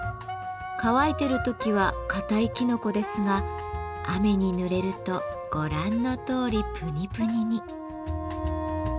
乾いてる時は硬いきのこですが雨にぬれるとご覧のとおりプニプニに。